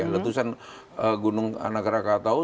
letusan gunung anak krakato